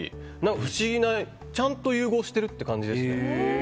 不思議な、ちゃんと融合してるって感じですね。